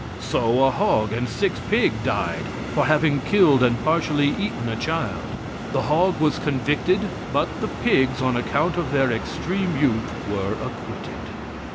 So a hog and six pig died for having killed and partially eaten a child. The hog was convicted, but the pigs, on account of their extreme youth, were acquitted.